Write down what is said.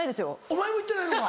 お前も行ってないのか。